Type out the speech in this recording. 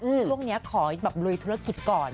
ช่วงนี้ขอแบบลุยธุรกิจก่อน